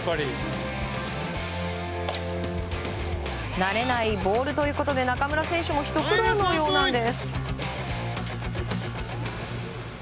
慣れないボールということで中村選手もひと苦労のようです。